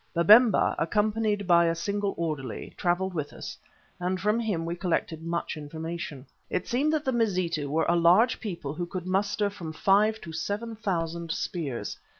Babemba, accompanied by a single orderly, travelled with us, and from him we collected much information. It seemed that the Mazitu were a large people who could muster from five to seven thousand spears.